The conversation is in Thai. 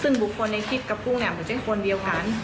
ซึ่งบุคคลในคลิปกับกุ้งเนี่ยมันเป็นคนเดียวกัน